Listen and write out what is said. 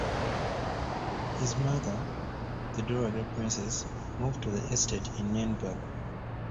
His mother, the dowager princess, moved to her estate in Nienburg.